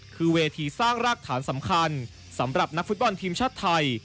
คือเวทีสร้างรากฐานสำคัญสำหรับนักฟุตบอลทีมชาติไทย